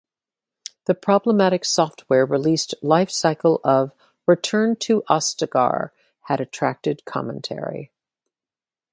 The problematic software release life cycle of "Return to Ostagar" had attracted commentary.